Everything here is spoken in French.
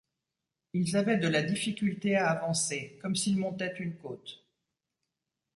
Ils avaient de la difficulté à avancer comme s'ils montaient une côte.